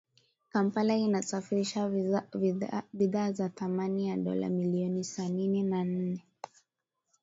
Kampala inasafirisha bidhaa za thamani ya dola milioni sanini na nne